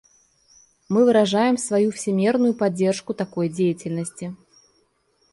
Мы выражаем свою всемерную поддержку такой деятельности.